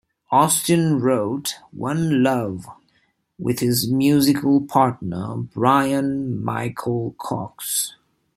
Austin wrote "One Love" with his musical partner Bryan Michael-Cox.